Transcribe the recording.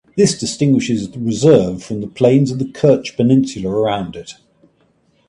This distinguishes the reserve from the plains of the Kerch Peninsula around it.